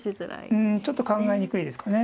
うんちょっと考えにくいですかね。